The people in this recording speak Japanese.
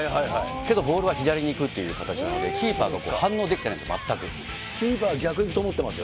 けどボールは左に行くっていう感じなんで、キーパーが反応できてキーパー逆行くと思ってます